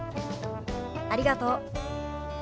ありがとう。